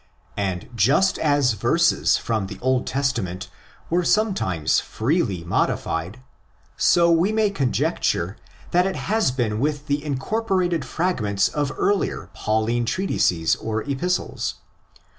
And just as verses from the Old Testament were sometimes freely modified, so we may conjecture that it has been with the incorporated fragments of earlier '' Pauline '' treatises or epistles.